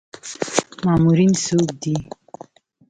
مامورین څوک دي؟